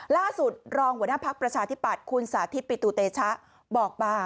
ล่าสุดรองหัวหน้าพักบรรชาธิบัตรที่พิธรเตชะบอกมา